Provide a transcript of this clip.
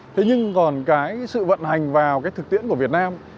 thế nhưng còn cái sự vận hành vào cái thực tiễn của việt nam